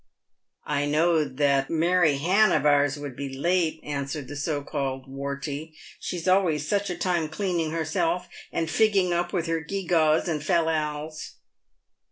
" I know'd that Mary h'Anne of ours would be late," answered the so called "Wortey ;" she's always such a time cleaning herself, and figging up with her gewgaws and fallals."